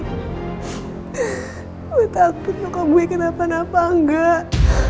gue takut lo ke gue kenapa napa enggak